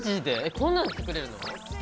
こんなの作れるの？